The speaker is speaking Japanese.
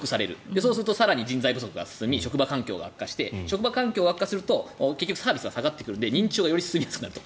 そうすると人材不足が進み職場環境が悪化して職場環境が悪化するとサービスが悪化して認知症がより進みやすくなると。